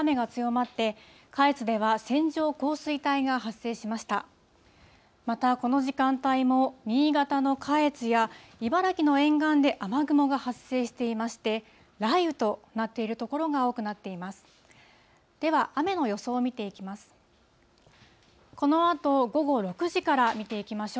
またこの時間帯も新潟の下越や、茨城の沿岸で雨雲が発生していまして、雷雨となっている所が多くなっています。